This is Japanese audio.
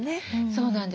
そうなんです。